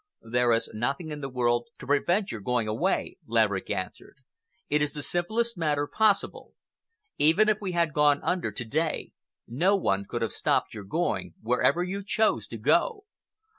"There is nothing in the world to prevent your going away," Laverick answered. "It is the simplest matter possible. Even if we had gone under to day, no one could have stopped your going wherever you chose to go.